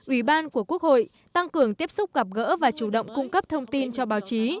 ủy ban của quốc hội tăng cường tiếp xúc gặp gỡ và chủ động cung cấp thông tin cho báo chí